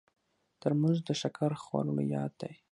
ترموز د شکر خوړلو یاد دی.